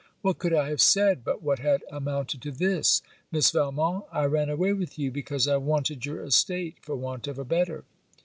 What could I have said but what had amounted to this: 'Miss Valmont, I ran away with you, because I wanted your estate, for want of a better.